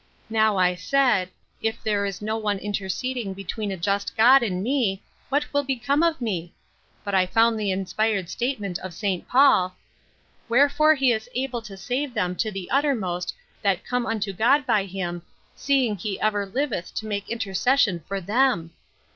^ Now, I said, i: there is no one interceding between a just God and me, what will become of me ? But I found the inspired statement of St. Paul, ' Wherefore L28 Ruth Erskme's Crosses, he is able to save them to the uttermost that come unto God by him, seeing he ever liveth to make intercession for them.''